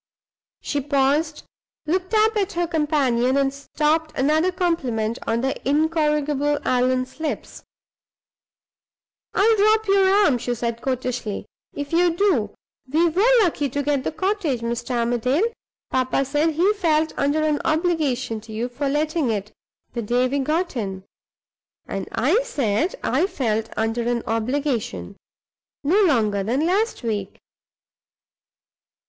She paused, looked up at her companion, and stopped another compliment on the incorrigible Allan's lips. "I'll drop your arm," she said coquettishly, "if you do! We were lucky to get the cottage, Mr. Armadale. Papa said he felt under an obligation to you for letting it, the day we got in. And I said I felt under an obligation, no longer ago than last week."